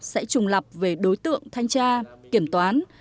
sẽ trùng lập về đối tượng thanh tra kiểm toán